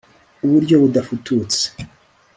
uburyo budafututse